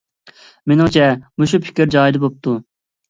مېنىڭچە، مۇشۇ پىكىر جايىدا بوپتۇ.